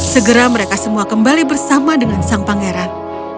segera mereka semua kembali bersama dengan sang pangeran